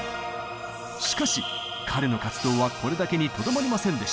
しかし彼の活動はこれだけにとどまりませんでした。